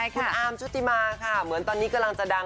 คุณอาร์มชุติมาค่ะเหมือนตอนนี้กำลังจะดัง